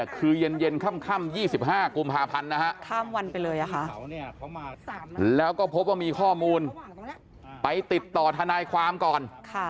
คือเย็นค่ำ๒๕กุมภาพันธ์นะฮะข้ามวันไปเลยแล้วก็พบว่ามีข้อมูลไปติดต่อทนายความก่อน